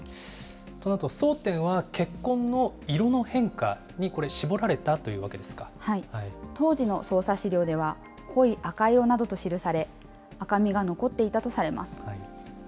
となると、争点は血痕の色の変化に、これ、絞られたというわ当時の捜査資料では、濃い赤色などと記され、赤みが残っていたとされます。